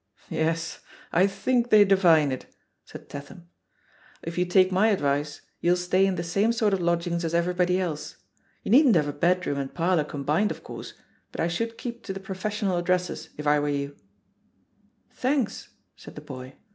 Yes, I think they divine it," said Tatham. If you take my advice, you'll stay in the same sort of lodgings as everybody else. You needn't have a bedroom and parlour combined, of course, but I should keep to the professional addresses, if I were you," "Thanks," said the boy.